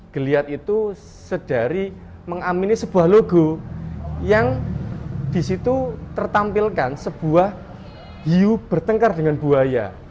geliat itu sedari mengamini sebuah logo yang disitu tertampilkan sebuah hiu bertengkar dengan buaya